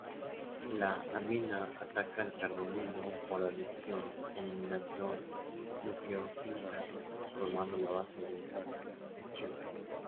La amina ataca al carbonilo por adición-eliminación nucleofílica, formando la base de Schiff.